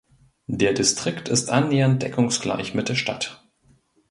Der Distrikt ist annähernd deckungsgleich mit der Stadt.